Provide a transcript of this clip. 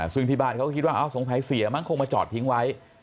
ซึ่งที่บ้านเขาก็คิดว่าสงสัยเสียมั้งคงมาจอดทิ้งไว้